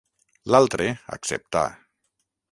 L'altre acceptà.